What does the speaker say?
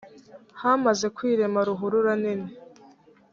hamaze kwirema ruhurura nini